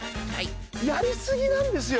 やりすぎなんですよ。